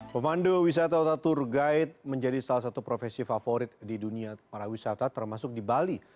pemandu wisata ota tour guide menjadi salah satu profesi favorit di dunia para wisata termasuk di bali